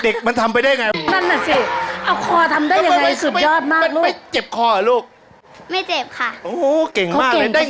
เด็กมันทำไปได้อย่างไร